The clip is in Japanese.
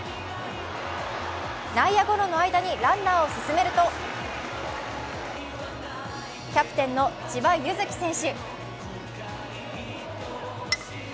内野ゴロの間にランナーを進めると、キャプテンの千葉柚樹選手。